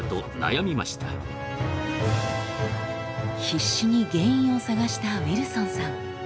必死に原因を探したウィルソンさん。